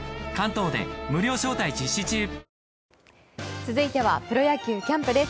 続いてはプロ野球キャンプです。